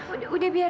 udah udah biar